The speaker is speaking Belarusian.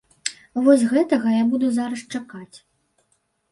Вось гэтага я буду зараз чакаць.